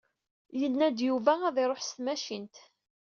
Yenna-d Yuba ad iṛuḥ s tmacint.